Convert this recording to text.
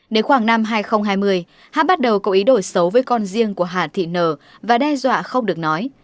đến khoảng năm hai nghìn hai mươi hát bắt đầu cầu ý đổi xấu với con riêng của hà thị nờ và đe dọa không được nói